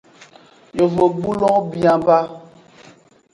Yovogbulowo bia ba.